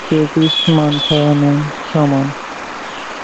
اِي سي ڪريست مان نين ٺاھيا نون سامان